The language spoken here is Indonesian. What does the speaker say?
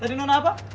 tadi itu apa